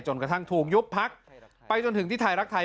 กระทั่งถูกยุบพักไปจนถึงที่ไทยรักไทย